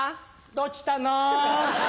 どちたの？